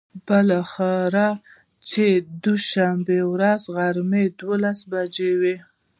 خو بلااخره چې د دوشنبې ورځ غرمه ،دولس بچې وې.